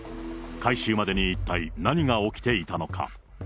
回収までに一体何が起きていたのか。